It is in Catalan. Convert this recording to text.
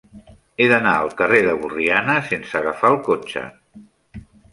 He d'anar al carrer de Borriana sense agafar el cotxe.